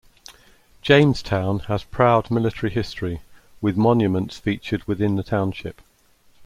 Jamestown has proud military history, with monuments featured within the township.